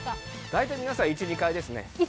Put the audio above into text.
大体皆さん１２回ですね。